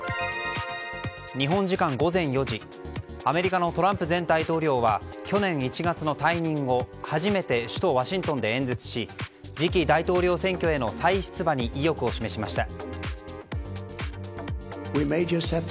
日本時間午前４時アメリカのトランプ前大統領は去年１月の退任後初めて首都ワシントンで演説し次期大統領選挙への再出馬に意欲を示しました。